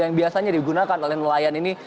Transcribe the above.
yang biasanya digunakan oleh nelayan ini